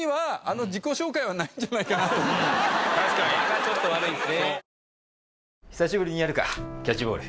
間がちょっと悪いですね。